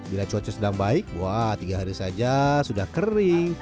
bila cuaca sedang baik wah tiga hari saja sudah kering